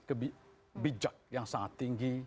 kebijak yang sangat tinggi